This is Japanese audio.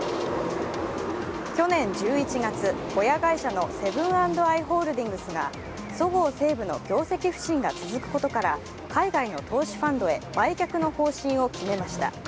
去年１１月、親会社のセブン＆アイ・ホールディングスがそごう・西武の業績不振が続くことから海外の投資ファンドへ売却の方針を決めました